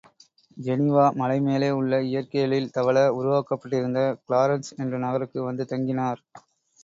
Geneva மலை மேலே உள்ள இயற்கை எழில் தவழ, உருவாக்கப்பட்டிருந்த கிளாரன்ஸ் என்ற நகருக்கு வந்து தங்கினார்!